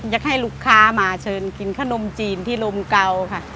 อยากให้ลูกค้ามาเชิญกินขนมจีนที่ลมเก่าค่ะ